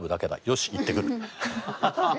よし行ってくる」。